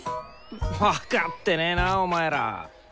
分かってねえなお前ら。